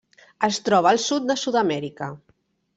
Es troba al sud de Sud-amèrica.